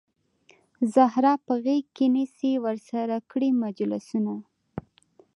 زهره په غیږ کې نیسي ورسره کړي مجلسونه